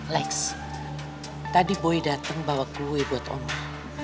lex tadi boy datang bawa kue buat oma